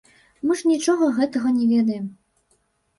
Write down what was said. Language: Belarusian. Мы ж нічога гэтага не ведаем.